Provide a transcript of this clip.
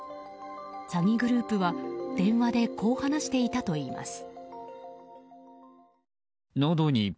詐欺グループは電話でこう話していたといいます。